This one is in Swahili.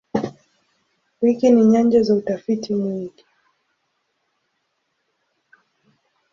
Wiki ni nyanja za utafiti mwingi.